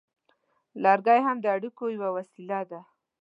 • لوګی هم د اړیکو یوه وسیله وه.